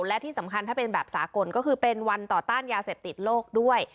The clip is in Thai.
และที่สำคัญถ้าเป็นแบบสากลก็คือเป็นวันต่อต้านยาเสพติดโลกด้วย